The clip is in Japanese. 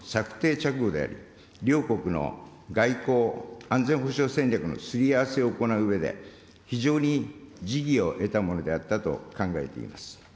直後であり、両国の外交・安全保障戦略のすり合わせを行ううえで、非常に時宜を得たものであったと考えています。